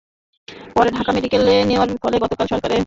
পরে ঢাকা মেডিকেলে নেওয়া হলে গতকাল সকালে স্বপনের অস্ত্রোপচার করা হয়।